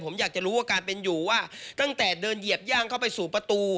ผมอยากจะรู้ว่าการเป็นอยู่ว่าตั้งแต่เดินเหยียบย่างเข้าไปสู่ประตู